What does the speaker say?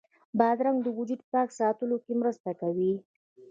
بادرنګ د وجود پاک ساتلو کې مرسته کوي.